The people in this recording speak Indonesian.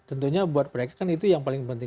tentunya buat mereka kan itu yang paling penting